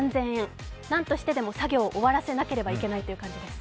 なんとしても作業を終わらせなければいけないという感じです。